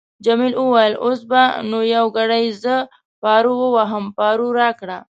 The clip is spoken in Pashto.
جميلې وويل:: اوس به نو یو ګړی زه پارو وواهم، پارو راکړه.